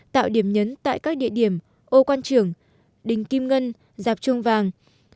tạo điểm nhấn tại các địa điểm ô quan trường đình kim ngân giạp trung vàng